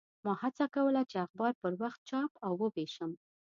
ما هڅه کوله چې اخبار پر وخت چاپ او ووېشم.